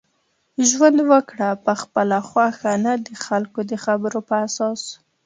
ژوند وکړه په خپله خوښه نه دخلکو دخبرو په اساس